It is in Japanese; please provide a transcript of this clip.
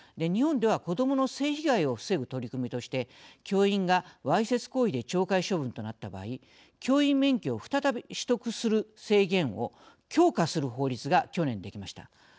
日本では子どもの性被害を防ぐ取り組みとして教員がわいせつ行為で懲戒処分となった場合教員免許を再び取得する制限を強化する法律が去年できました。